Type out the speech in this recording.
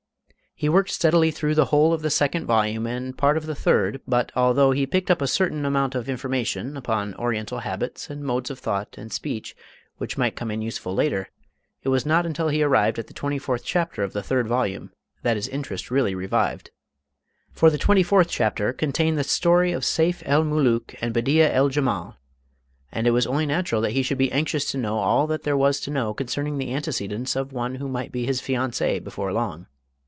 He worked steadily through the whole of the second volume and part of the third; but, although he picked up a certain amount of information upon Oriental habits and modes of thought and speech which might come in useful later, it was not until he arrived at the 24th Chapter of the third volume that his interest really revived. For the 24th Chapter contained "The Story of Seyf el Mulook and Bedeea el Jemal," and it was only natural that he should be anxious to know all that there was to know concerning the antecedents of one who might be his fiancée before long.